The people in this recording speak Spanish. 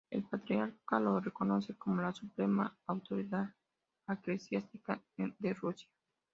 El Patriarca lo reconocía como la suprema autoridad eclesiástica de Rusia.